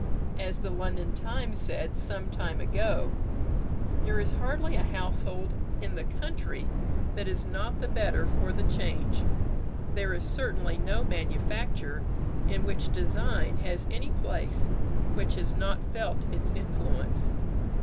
As the London "Times" said some time ago: "There is hardly a household in the country that is not the better for the change; there is certainly no manufacture in which design has any place which has not felt its influence."